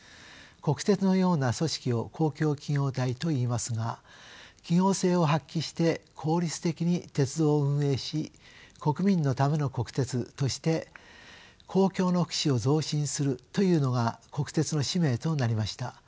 国鉄のような組織を公共企業体といいますが企業性を発揮して効率的に鉄道を運営し国民のための国鉄として公共の福祉を増進するというのが国鉄の使命となりました。